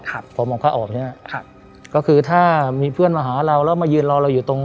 ครับผมของเขาออกเนี้ยครับก็คือถ้ามีเพื่อนมาหาเราแล้วมายืนรอเราอยู่ตรง